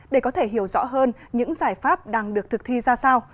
để có thể hiểu rõ hơn những giải pháp đang được thực thi ra sao